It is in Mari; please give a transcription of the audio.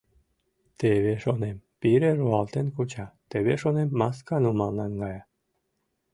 Теве, шонем, пире руалтен куча, теве, шонем, маска нумал наҥгая.